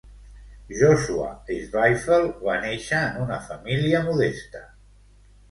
Josua Zweifel va néixer en una família modesta.